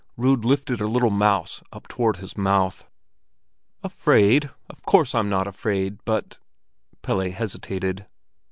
Rud lifted a little mouse up toward his mouth. "Afraid? Of course I'm not afraid—but—" Pelle hesitated.